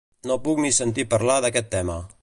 No puc ni sentir parlar d'aquest tema.